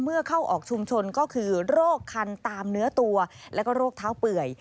เข้าออกชุมชนก็คือโรคคันตามเนื้อตัวแล้วก็โรคเท้าเปื่อย